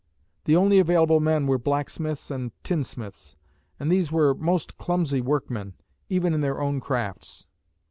The only available men were blacksmiths and tinsmiths, and these were most clumsy workmen, even in their own crafts.